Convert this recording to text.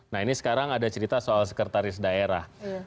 nah ini sekarang ada cerita soal sekretaris daerah